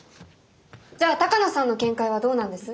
じゃあ鷹野さんの見解はどうなんです？